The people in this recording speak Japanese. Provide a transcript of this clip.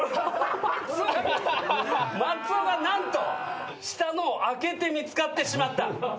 松尾が何と下のを開けて見つかってしまった。